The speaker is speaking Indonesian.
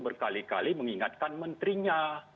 berkali kali mengingatkan menterinya